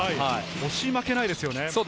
押し負けないですよね。